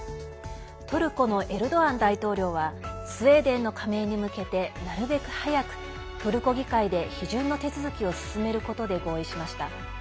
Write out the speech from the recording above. トルコのエルドアン大統領はスウェーデンの加盟に向けてなるべく早く、トルコ議会で批准の手続きを進めることで合意しました。